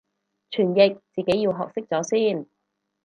傳譯自己要學識咗先